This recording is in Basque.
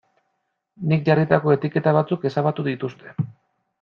Nik jarritako etiketa batzuk ezabatu dituzte.